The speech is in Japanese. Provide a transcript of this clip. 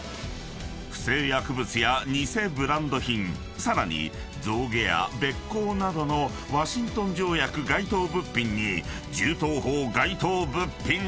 ［不正薬物や偽ブランド品さらに象牙やべっ甲などのワシントン条約該当物品に銃刀法該当物品など］